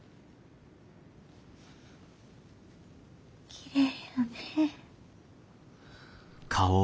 きれいやね。